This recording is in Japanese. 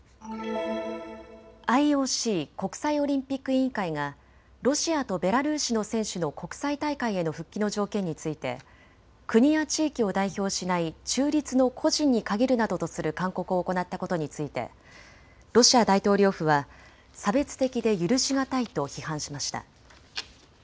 ＩＯＣ・国際オリンピック委員会がロシアとベラルーシの選手の国際大会への復帰の条件について国や地域を代表しない中立の個人に限るなどとする勧告を行ったことについてロシア大統領府は差別的で許し難いと批判しました。